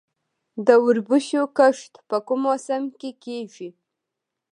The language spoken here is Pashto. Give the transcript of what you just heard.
د وربشو کښت په کوم موسم کې کیږي؟